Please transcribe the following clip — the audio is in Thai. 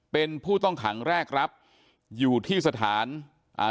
เป็นผู้ต้องขังแรกรับอยู่ที่สถานอ่า